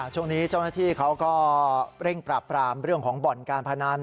ช่วงนี้เจ้าหน้าที่เขาก็เร่งปราบปรามเรื่องของบ่อนการพนัน